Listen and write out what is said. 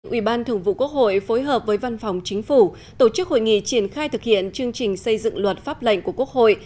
ủy ban thường vụ quốc hội phối hợp với văn phòng chính phủ tổ chức hội nghị triển khai thực hiện chương trình xây dựng luật pháp lệnh của quốc hội